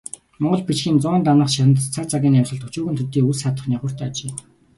Монгол бичгийн зуун дамнах шандас цаг цагийн амьсгалд өчүүхэн төдий үл саатах нигууртай ажээ.